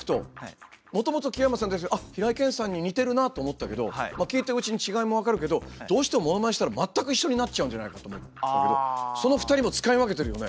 もともと木山さんって平井堅さんに似てるなって思ったけどまあ聴いているうちに違いも分かるけどどうしてもモノマネしたら全く一緒になっちゃうんじゃないかと思ったけどその２人も使い分けてるよね？